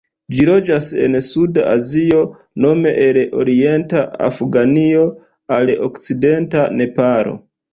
Ĝi loĝas en suda Azio, nome el orienta Afganio al okcidenta Nepalo.